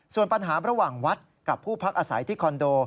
ส่วนปัญหาระหว่างวัดกับผู้พักอาศัยที่คอนโด